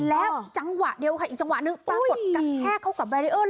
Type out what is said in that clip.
แล้วจังหวะเดียวค่ะอีกจังหวะหนึ่งปรากฏกระแทกเข้ากับแบรีเออร์